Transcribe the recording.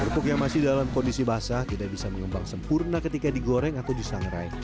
kerupuk mie kuning tidak bisa menyebang sempurna ketika digoreng atau disangrai